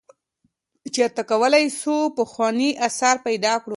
چیرته کولای سو پخوانی آثار پیدا کړو؟